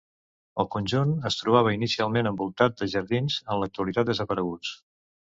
El conjunt es trobava inicialment envoltat de jardins, en l'actualitat desapareguts.